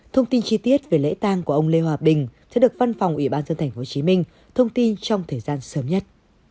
thông tin chi tiết về lễ tang của ông lê hòa bình sẽ được văn phòng ủy ban dân tp hcm thông tin trong thời gian sớm nhất